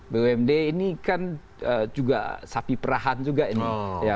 bumd ini kan juga sapi perahan juga ini